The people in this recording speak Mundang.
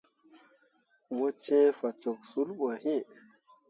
Mo cẽe fah cok sul ɓo iŋ.